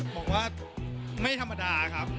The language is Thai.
จะบอกว่าไม่ธรรมดาครับ